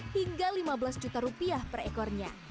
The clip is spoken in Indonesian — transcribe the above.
hingga lima belas juta rupiah per ekornya